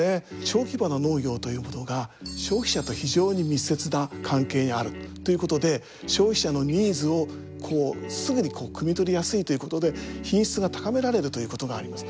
小規模な農業ということが消費者と非常に密接な関係にあるということで消費者のニーズをすぐにくみ取りやすいということで品質が高められるということがあります。